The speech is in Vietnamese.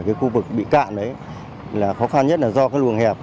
cái khu vực bị cạn đấy là khó khăn nhất là do cái luồng hẹp